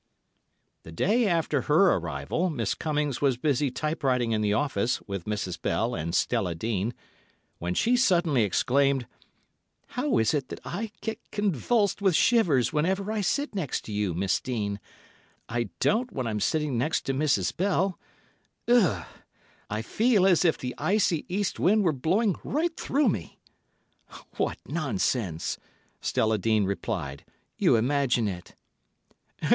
The day after her arrival, Miss Cummings was busy typewriting in the office with Mrs. Bell and Stella Dean, when she suddenly exclaimed, "How is it that I get convulsed with shivers whenever I sit next to you, Miss Dean? I don't when I'm sitting next to Mrs. Bell. Eugh! I feel as if the icy east wind were blowing right through me." "What nonsense!" Stella Dean replied; "you imagine it."